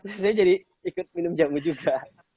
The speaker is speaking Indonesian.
terus saya jadi ikut minum jamu juga